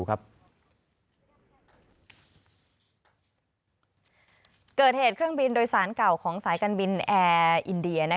เกิดเหตุเครื่องบินโดยสารเก่าของสายการบินแอร์อินเดีย